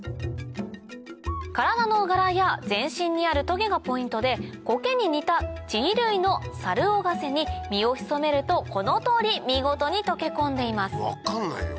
体の柄や全身にあるトゲがポイントでコケに似た地衣類のサルオガセに身を潜めるとこの通り見事に溶け込んでいます分かんないよ